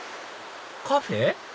カフェ？